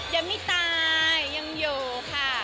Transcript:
ยังไม่ตายยังอยู่ค่ะ